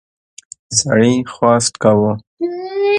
سړي خواست کاوه.